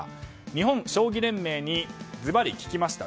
日本将棋連盟にズバリ聞きました